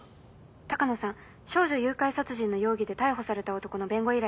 鷹野さん少女誘拐殺人の容疑で逮捕された男の弁護依頼が来ました。